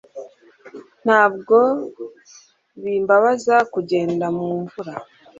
ntabwo bimbabaza kugenda mu mvura